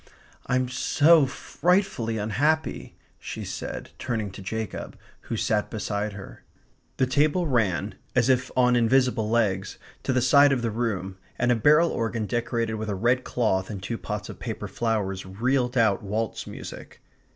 "I'm so frightfully unhappy!" she said, turning to Jacob, who sat beside her. The table ran, as if on invisible legs, to the side of the room, and a barrel organ decorated with a red cloth and two pots of paper flowers reeled out waltz music.